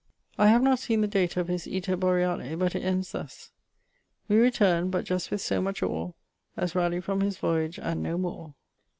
I have not seen the date of his Iter Boreale; but it ends thus: We return'd, but just with so much ore, As Rauleigh from his voyage, and no more.